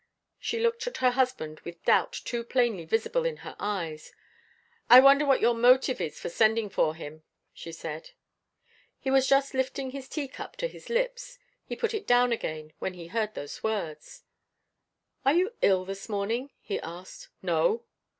She looked at her husband with doubt too plainly visible in her eyes. "I wonder what your motive is for sending for him," she said. He was just lifting his teacup to his lips he put it down again when he heard those words. "Are you ill this morning?" he asked. "No."